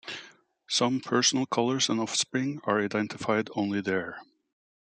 Some personal colors and offspring are identified only there.